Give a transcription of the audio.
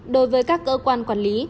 đối với các cơ quan quản lý